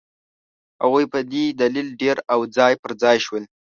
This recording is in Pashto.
هغوی په دې دلیل ډېر او ځای پر ځای شول.